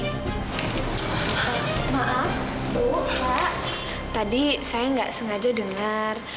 maaf bu pak tadi saya gak sengaja dengar